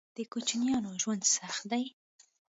_د کوچيانو ژوند سخت دی.